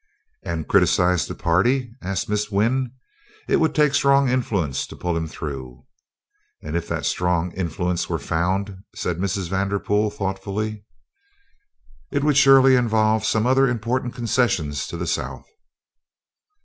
"And criticise the party?" asked Miss Wynn. "It would take strong influence to pull him through." "And if that strong influence were found?" said Mrs. Vanderpool thoughtfully. "It would surely involve some other important concession to the South."